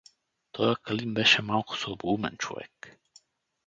Тоя Калин беше малко слабоумен човек.